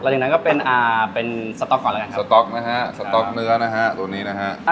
อย่างนั้นก็เป็นอ่าเป็นสต๊อกก่อนแล้วกันครับสต๊อกนะฮะสต๊อกเนื้อนะฮะตัวนี้นะฮะ